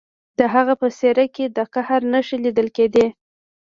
د هغه په څیره کې د قهر نښې لیدل کیدې